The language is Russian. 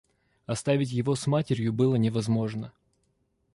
Оставить его с матерью было невозможно.